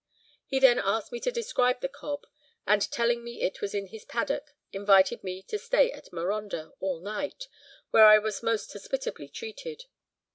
He then asked me to describe the cob, and telling me it was in his paddock, invited me to stay at Marondah all night, where I was most hospitably treated.